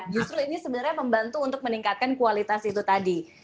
justru ini sebenarnya membantu untuk meningkatkan kualitas itu tadi